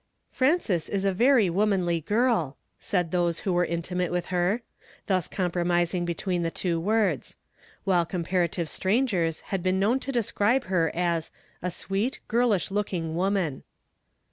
"Frances is a very womanly girl," said those who were ultimate with her, thus compromising between the two words; while comparative stran gers had been known to describe her as '^ a sweet, girlish looking woman."